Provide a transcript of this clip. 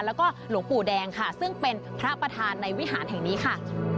แล้วก็หลวงปู่แดงค่ะซึ่งเป็นพระประธานในวิหารแห่งนี้ค่ะ